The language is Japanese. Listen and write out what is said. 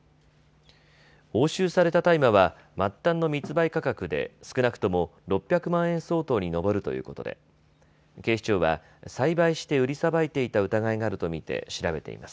押収された大麻は末端の密売価格で少なくとも６００万円相当に上るということで、警視庁は栽培して売りさばいていた疑いがあると見て調べています。